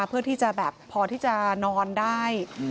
เพื่อที่จะแบบพอที่จะนอนได้